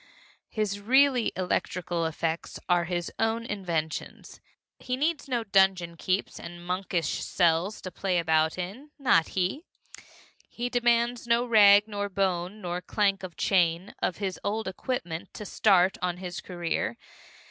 His really electrical effects are his own inventions. He needs no dungeon keeps and monkish cells to play about in not he! He demands no rag nor bone nor clank of chain of his old equipment to start on his career.